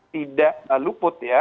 tidak luput ya